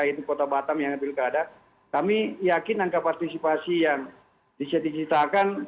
yaitu kota batam yang ada di wilkada kami yakin angka partisipasi yang disertifikatakan